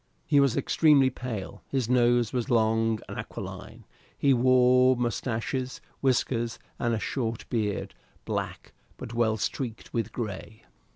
He was extremely pale; his nose was long and aquiline; he wore moustaches, whiskers, and a short beard, black, but well streaked with grey.